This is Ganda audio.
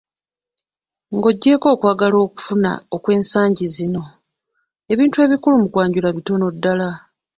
"Nga oggyeeko okwagala okufuna okw’ensangi zino, ebintu ebikulu mu kwanjula bitono ddala."